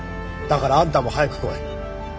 だからあんたも早く来い。